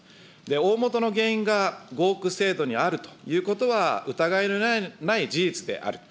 おおもとの原因が合区制度にあるということは疑いのない事実である。